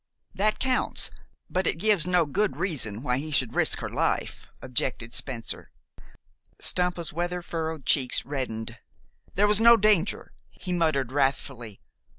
"That counts, but it gives no good reason why he should risk her life," objected Spencer. Stampa's weather furrowed cheeks reddened. "There was no danger," he muttered wrathfully.